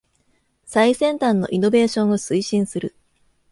最先端のイノベーションを推進する